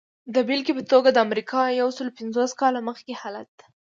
د بېلګې په توګه د امریکا یو سلو پنځوس کاله مخکې حالت.